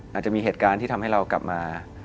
อาจจะมีเหตุการณ์ที่ทำให้เรากลับมา